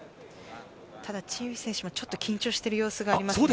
ただチン・ウヒ選手もちょっと緊張している様子がありますね。